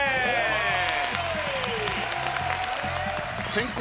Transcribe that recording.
先攻